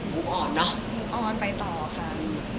หูออนเนอะหูออนไปต่อค่ะ